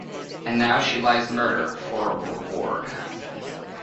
And now she lies murdered for a reward!